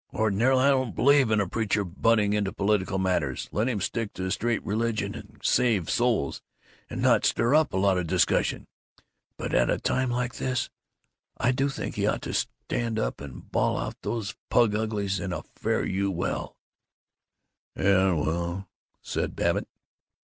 Ordinarily, I don't believe in a preacher butting into political matters let him stick to straight religion and save souls, and not stir up a lot of discussion but at a time like this, I do think he ought to stand right up and bawl out those plug uglies to a fare you well!" "Yes well " said Babbitt.